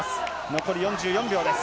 残り４４秒です。